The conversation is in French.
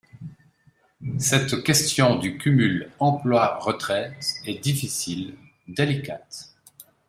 Cette question du cumul emploi-retraite est difficile, délicate.